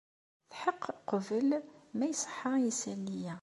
Tḥeqq qbel ma iṣeḥḥa yisalli-ya.